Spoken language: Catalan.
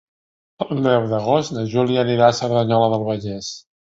El deu d'agost na Júlia anirà a Cerdanyola del Vallès.